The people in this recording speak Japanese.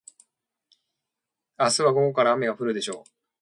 明日は午後から雨が降るでしょう。